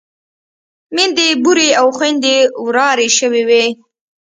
ميندې بورې او خويندې ورارې شوې وې.